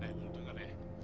eh betul gak be